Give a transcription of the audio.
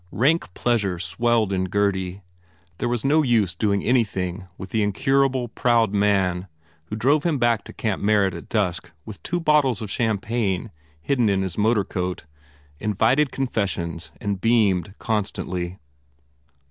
Rank pleasure swelled in Gurdy. There was no use doing any thing with the incurable, proud man who drove him back to Camp Merritt at dusk with two bottles of champagne hidden in his motor coat, in vited confessions and beamed constantly.